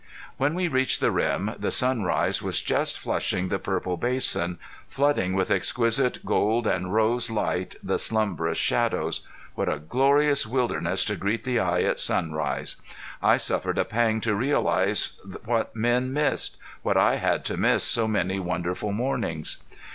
When we reached the rim the sunrise was just flushing the purple basin, flooding with exquisite gold and rose light the slumberous shadows. What a glorious wilderness to greet the eye at sunrise! I suffered a pang to realize what men missed what I had to miss so many wonderful mornings.